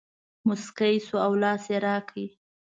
مسکی شو او لاس یې راکړ.